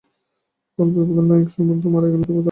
গল্পের প্রধান নায়ক সর্পাঘাতেই মারা গেল, তবুও তার পরে?